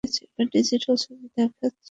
এবার ডিজিটাল ছবি দেখাচ্ছি আপনাকে।